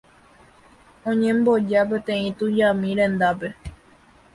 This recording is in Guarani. Oñemboja peteĩ tujami rendápe.